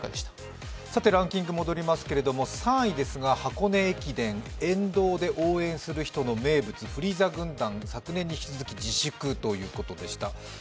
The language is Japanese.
ランキングに戻りますけれども、３位、箱根駅伝、沿道で応援する人の名物、フリーザ軍団、昨年に引き続き、自粛ということでした。